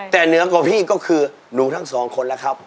แต่เหนือกว่าพี่ก็คือหนูทั้งสองคนแล้วครับ